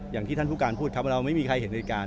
อย่างที่ท่านฮุ๊ปการณ์พูดครับเราไม่มีใครเห็นได้การ